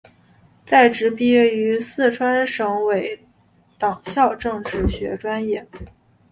在职毕业于四川省委党校政治学专业。